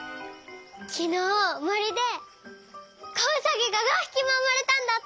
きのうもりでこうさぎが５ひきもうまれたんだって！